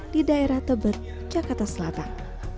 di daerah tebet jakarta selatan